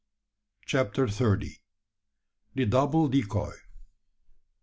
CHAPTER THIRTY. THE DOUBLE DECOY.